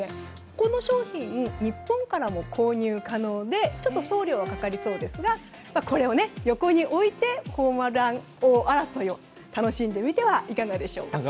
この商品、日本からも購入可能で送料はかかりそうですがこれを横に置いてホームラン王争いを楽しんでみてはいかがでしょうか。